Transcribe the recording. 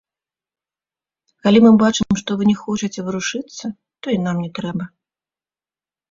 Калі мы бачым, што вы не хочаце варушыцца, то і нам не трэба.